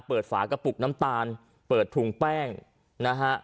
ฝากระปุกน้ำตาลเปิดถุงแป้งนะฮะ